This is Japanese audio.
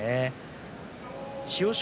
千代翔